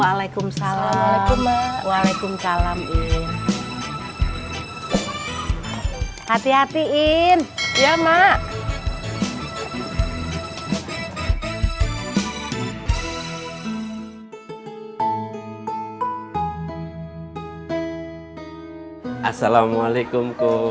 waalaikumsalam waalaikumsalam waalaikumsalam ini hati hatiin ya mak assalamualaikum